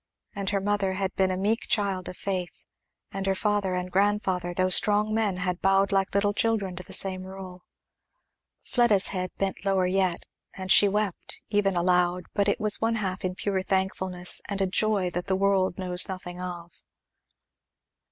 And her mother had been a meek child of faith, and her father and grandfather, though strong men, had bowed like little children to the same rule. Fleda's head bent lower yet, and she wept, even aloud, but it was one half in pure thankfulness and a joy that the world knows nothing of.